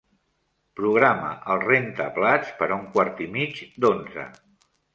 Programa el rentaplats per a un quart i mig d'onze.